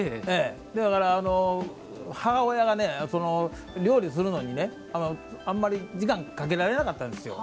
だから、母親が料理するのにあんまり時間をかけられなかったんですよ。